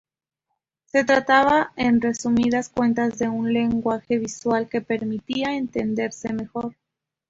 Se trataba, en resumidas cuentas, de un lenguaje visual que permitía entenderse mejor.